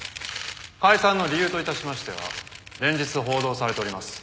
「解散の理由と致しましては連日報道されております